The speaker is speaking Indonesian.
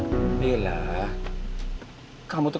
kamu harus pilih temen cowok